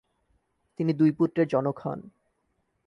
তিনি দুই পুত্রের জনক হন।